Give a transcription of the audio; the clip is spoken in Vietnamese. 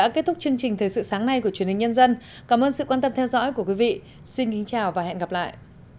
cảm ơn các bạn đã theo dõi và hẹn gặp lại